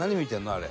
あれ」